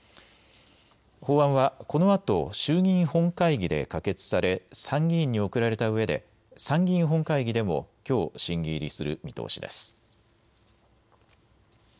法案はこのあと衆議院本会議で可決され参議院に送られたうえで参議院本会議でもきょう審議入りする見通しです。